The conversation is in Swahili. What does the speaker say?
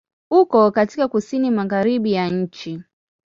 Uko katika Kusini Magharibi ya nchi.